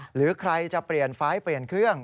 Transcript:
หรือใครจะเปลี่ยนไฟล์เปลี่ยนเครื่อง